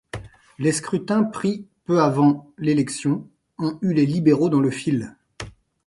Les scrutins pris peu avant l'élection ont eu les libéraux dans le fil.